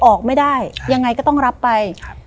ออกไม่ได้ยังไงก็ต้องรับไป